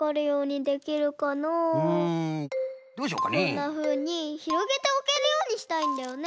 こんなふうにひろげておけるようにしたいんだよね。